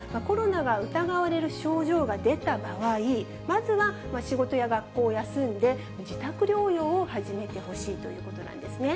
発熱やのどの痛みなどといった、コロナが疑われる症状が出た場合、まずは仕事や学校を休んで、自宅療養を始めてほしいということなんですね。